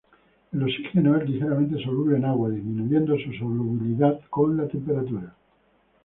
El oxígeno es ligeramente soluble en agua, disminuyendo su solubilidad con la temperatura.